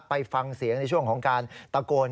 ไปฟังเสียงในช่วงของการตะโกน